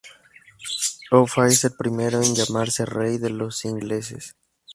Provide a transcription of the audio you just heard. Offa es el primero en llamarse rey de los ingleses.